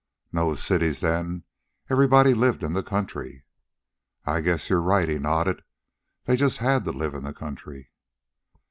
"No cities then. Everybody lived in the country." "I guess you're right," he nodded. "They just had to live in the country."